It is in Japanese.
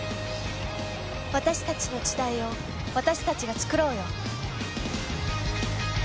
私たちの時代を私たちが創ろうよ。